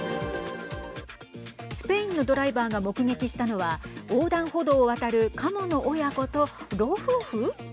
スペインのドライバーが目撃したのは横断歩道を渡るカモの親子と老夫婦。